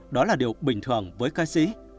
đó là điều bình thường với ca sĩ